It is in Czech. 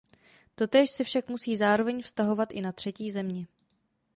Totéž se však musí zároveň vztahovat i na třetí země.